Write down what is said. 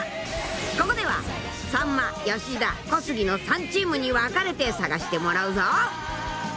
［ここではさんま吉田小杉の３チームに分かれて探してもらうぞ］